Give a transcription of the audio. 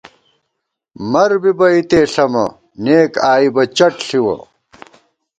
مَر بِبہ اِتے ݪَمہ، نېک آئی بہ چَٹ ݪِوَہ